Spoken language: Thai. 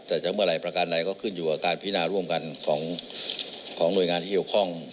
แต่จะเมื่อไหร่ประการใดก็ขึ้นอยู่กับการพินาร่วมกันของหน่วยงานที่เกี่ยวข้อง